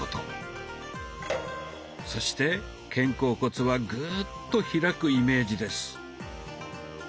そして肩甲骨はグーッと開くイメージです。